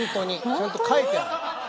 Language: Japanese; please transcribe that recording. ちゃんと書いてある。